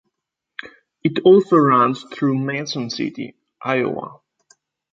It also runs through Mason City, Iowa.